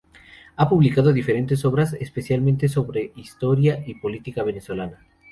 Ha publicado diferentes obras, especialmente sobre historia y política venezolana.